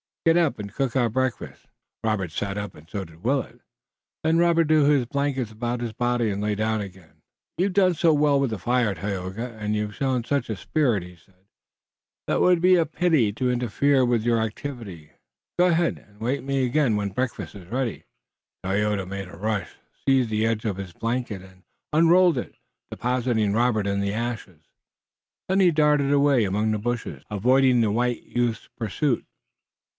Get up and cook our breakfast, Oh, Heavy Head!" Robert sat up and so did Willet. Then Robert drew his blankets about his body and lay down again. "You've done so well with the fire, Tayoga, and you've shown such a spirit," he said, "that it would be a pity to interfere with your activity. Go ahead, and awake me again when breakfast is ready." Tayoga made a rush, seized the edge of his blanket and unrolled it, depositing Robert in the ashes. Then he darted away among the bushes, avoiding the white youth's pursuit.